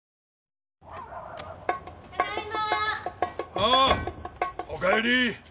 ああおかえり。